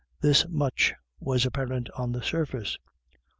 This much was apparent on the surface.